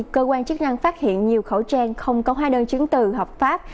cơ quan chức năng phát hiện nhiều khẩu trang không có hóa đơn chứng từ hợp pháp